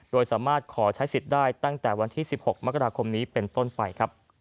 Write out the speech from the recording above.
โดยสามารถขอใช้สิทธิ์ได้ตั้งแต่วันที่๑๖มกราคมนี้เป็นต้นไป